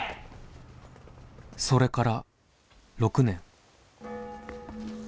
「それから６年」。